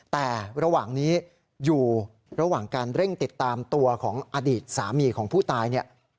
แต่ระหว่างนี้อยู่ระหว่างการเร่งติดตามตัวของอดีตสามีของผู้ตายเนี่ย